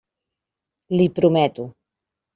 L'hi prometo.